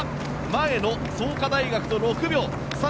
前の創価大学と６秒差。